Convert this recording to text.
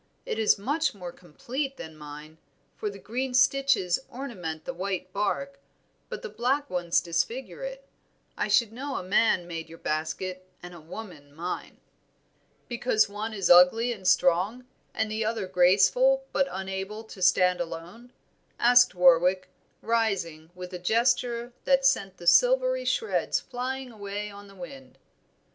It is much more complete than mine, for the green stitches ornament the white bark, but the black ones disfigure it. I should know a man made your basket and a woman mine." "Because one is ugly and strong, the other graceful but unable to stand alone?" asked Warwick, rising, with a gesture that sent the silvery shreds flying away on the wind.